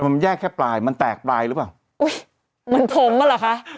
มันแย่แค่ปลายมันแตกปลายหรือเปล่า